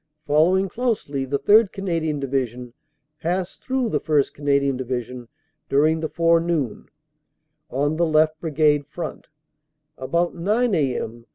Following closely, the 3rd. Canadian Division passed through the 1st. Canadian Division during the forenoon, on the left Brigade front, about 9 a.m.